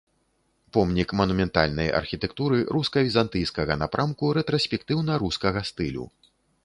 Помнік манументальнай архітэктуры руска-візантыйскага напрамку рэтраспектыўна-рускага стылю.